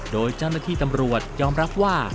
โดยเจ้าหน้าที่ตำรวจยอมรับว่า